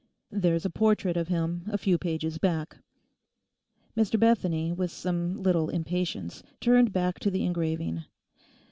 'There's a portrait of him a few pages back.' Mr Bethany, with some little impatience, turned back to the engraving.